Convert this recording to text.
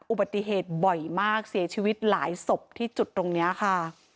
อุบัติเหตุบ่อยมากเสียชีวิตหลายศพที่จุดตรงนี้ค่ะ